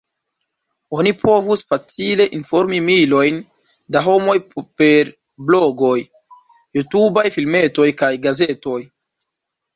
Oni povus facile informi milojn da homoj per blogoj, jutubaj filmetoj kaj gazetoj.